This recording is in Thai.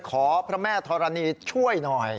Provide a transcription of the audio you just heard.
ขอพระแม่ธรณีช่วยหน่อย